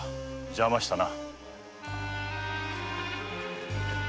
邪魔したな。